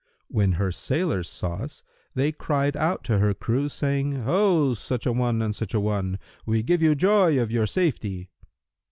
When her sailors saw us, they cried out to our crew, saying, 'Ho, such an one and such an one, we give you joy of your safety!'